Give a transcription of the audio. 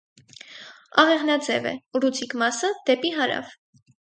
Աղեղնաձև է, ուռուցիկ մասը՝ դեպի հարավ։